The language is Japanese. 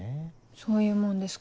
そういうもんですか？